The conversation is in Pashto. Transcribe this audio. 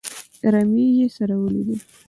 رمې یې څرولې دي.